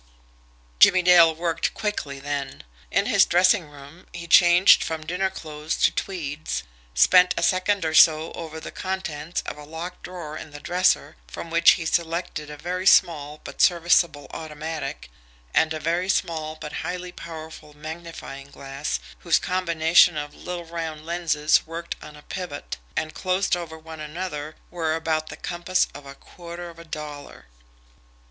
Jimmie Dale worked quickly then. In his dressing room, he changed from dinner clothes to tweeds; spent a second or so over the contents of a locked drawer in the dresser, from which he selected a very small but serviceable automatic, and a very small but highly powerful magnifying glass whose combination of little round lenses worked on a pivot, and, closed over one another, were of about the compass of a quarter of a dollar.